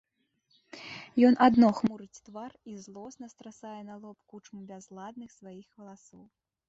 Ён адно хмурыць твар і злосна страсае на лоб кучму бязладных сваіх валасоў.